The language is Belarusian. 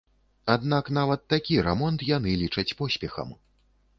Аднак нават такі рамонт яны лічаць поспехам.